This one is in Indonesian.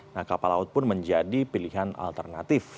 nah kapal laut pun menjadi pilihan alternatif